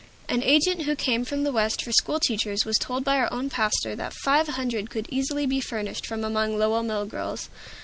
An agent who came from the West for school teachers was told by our own pastor that five hundred could easily be furnished from among Lowell mill girls.